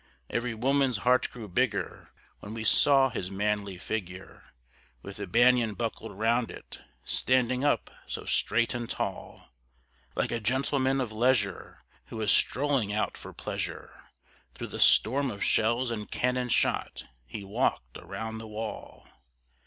Every woman's heart grew bigger when we saw his manly figure, With the banyan buckled round it, standing up so straight and tall; Like a gentleman of leisure who is strolling out for pleasure, Through the storm of shells and cannon shot he walked around the wall.